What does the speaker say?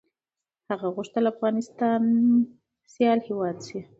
هغه غوښتل افغانستان سيال هېواد شي.